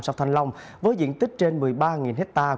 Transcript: sau thanh long với diện tích trên một mươi ba ha